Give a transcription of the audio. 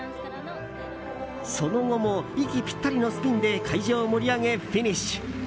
その後も息ぴったりのスピンで会場を盛り上げフィニッシュ！